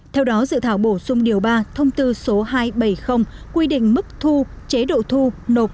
theo đó dự thảo bổ sung điều ba thông tư số hai trăm bảy mươi quy định mức thu chế độ thu nộp